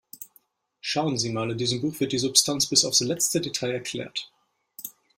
Schauen Sie mal, in diesem Buch wird die Substanz bis aufs letzte Detail erklärt.